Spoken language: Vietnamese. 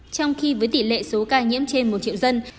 trong khi với tỷ lệ số ca nhiễm trên một triệu dân